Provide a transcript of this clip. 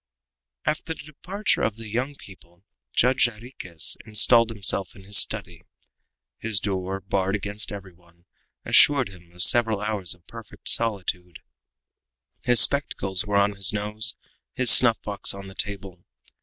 After the departure of the young people, Judge Jarriquez installed himself in his study. His door, barred against every one, assured him of several hours of perfect solitude. His spectacles were on his nose, his snuff box on the table.